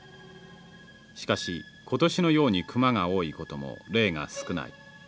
しかし今年のようにクマが多いことも例が少ない。